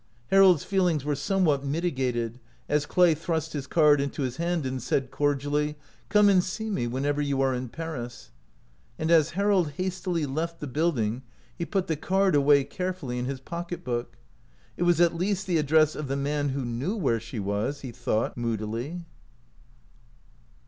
Harold's feelings were somewhat miti gated, as Clay thrust his card into his hand and said, cordially :" Come and see me whenever you are in Paris." And as Harold hastily left the building, he put the card away carefully in his pocket book. It was at least the address of the man who knew where she was, he thought, moodily.